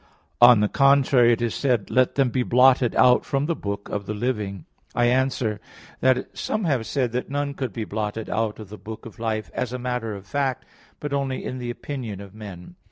On the contrary, It is said, "Let them be blotted out from the book of the living" (Ps. 68:29). I answer that, Some have said that none could be blotted out of the book of life as a matter of fact, but only in the opinion of men.